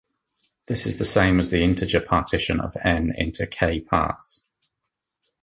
This is the same as the integer partition of "n" into "k" parts.